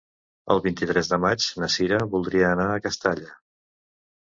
El vint-i-tres de maig na Cira voldria anar a Castalla.